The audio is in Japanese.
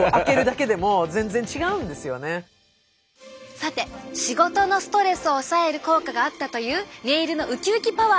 さて仕事のストレスを抑える効果があったというネイルのうきうきパワー。